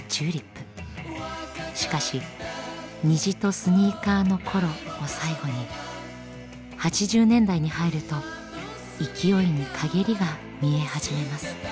しかし「虹とスニーカーの頃」を最後に８０年代に入ると勢いにかげりが見え始めます。